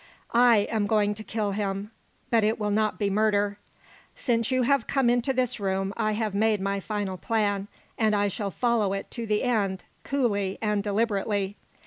I am going to kill him. But it will not be murder. Since you have come into this room I have made my final plan, and I shall follow it to the end coolly and deliberately.